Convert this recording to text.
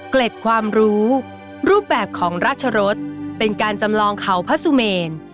เกล็ดความรู้รูปแบบของราชรสเป็นการจำลองเขาพระสุเมน